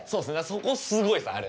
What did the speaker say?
そこすごいっすあれ。